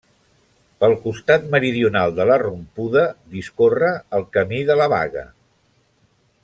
Pel costat meridional de la Rompuda discorre el Camí de la Baga.